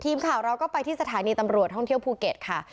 ทีมข่าวเราก็ไปที่สถานีตำรวจท่องเที่ยวภูเก็ตค่ะ